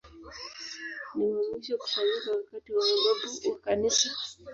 Ni wa mwisho kufanyika wakati wa mababu wa Kanisa.